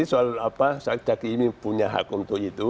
soal cak imin punya hak untuk itu